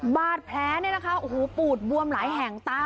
บาดแพ้ปูดบวมหลายแห่งตา